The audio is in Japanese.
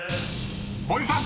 ［森さん］